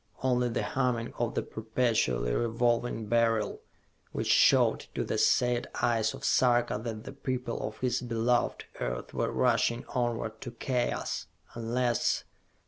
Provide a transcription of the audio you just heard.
Only the humming of the perpetually revolving Beryl, which showed to the sad eyes of Sarka that the people of his beloved earth were rushing onward to Chaos, unless....